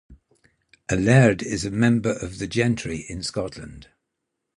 A Laird is a member of the gentry in Scotland.